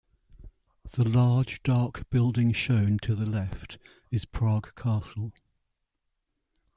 The large, dark building shown to the left is Prague Castle.